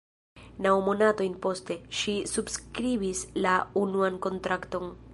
Naŭ monatojn poste, ŝi subskribis la unuan kontrakton.